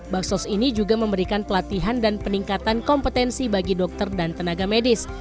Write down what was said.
baksos ini juga memberikan pelatihan dan peningkatan kompetensi bagi dokter dan tenaga medis